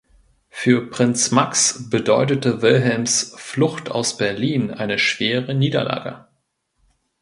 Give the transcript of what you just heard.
Für Prinz Max bedeutete Wilhelms „Flucht aus Berlin“ eine schwere Niederlage.